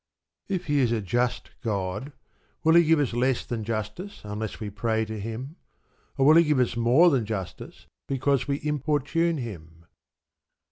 If He is a just God, will He give us less than justice unless we pray to Him; or will He give us more than justice because we importune Him?